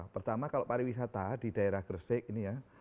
pertama kalau pariwisata di daerah gresik ini ya